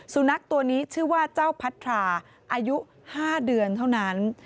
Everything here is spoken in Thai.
สุนัขตัวนี้ชื่อว่าเจ้าพัทราอายุ๕เดือนเท่านั้น